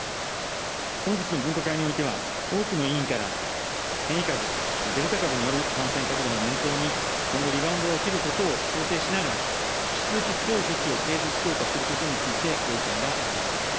本日の分科会においては、多くの委員から、変異株、デルタ株による感染拡大を念頭に、今後、リバウンドが起きることを想定しながら、引き続き強い措置を継続強化することについてご意見がありました。